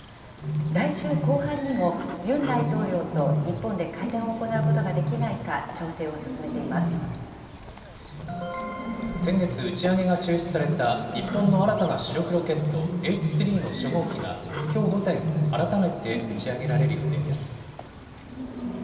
来週後半にも、ユン大統領と日本で会談を行うことができないか調整を進めていま先月、打ち上げが中止された日本の新たな主力ロケットＨ３の初号機が、きょう午前、改めて打ち上げられる予定です。